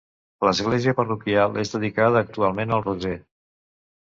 L'església parroquial és dedicada actualment al Roser.